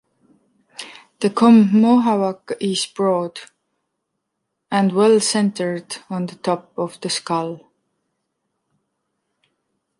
The comb/Mohawk is broad and well centered on the top of the skull.